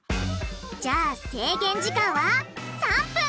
じゃあ制限時間は３分！